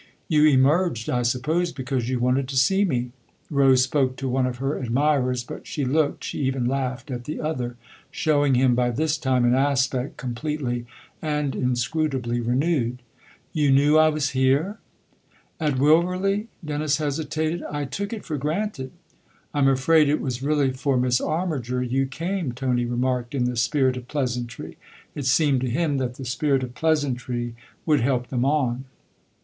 " You emerged, I suppose, because you wanted to see me." Rose spoke to one of her admirers, but she looked, she even laughed, at the other, showing him by this time an aspect completely and inscru tably renewed. " You knew I was here ?" 202 THE OTHER HOUSE " At Wilverley ?" Dennis hesitated. " I took it for granted." " I'm afraid it was really for Miss Armiger you came," Tony remarked in the spirit of pleasantry. It seemed to him that the spirit of pleasantry would help them on.